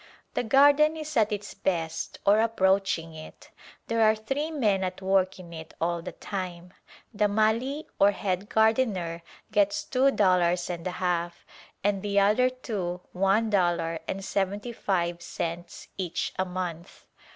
The garden is at its best or approaching it. There are three men at work in it all the time. The Mali ox head gardener gets two dollars and a half, and the other two one dollar and seventy five cents each a month.